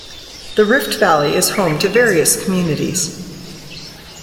The Rift Valley is home to various communities.